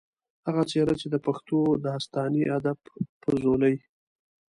هغه څېره چې د پښتو داستاني ادب پۀ ځولۍ